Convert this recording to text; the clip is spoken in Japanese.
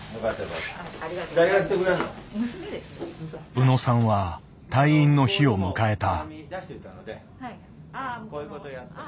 宇野さんは退院の日を迎えた。